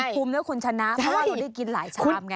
คุ้มด้วยคุณชนะเพราะว่าเราได้กินหลายชามไง